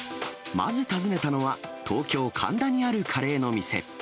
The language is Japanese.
まず訪ねたのは、東京・神田にあるカレーの店。